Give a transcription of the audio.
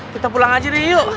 kita pulang aja deh yuk